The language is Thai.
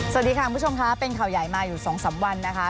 สวัสดีค่ะคุณผู้ชมค่ะเป็นข่าวใหญ่มาอยู่๒๓วันนะคะ